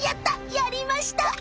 やりました。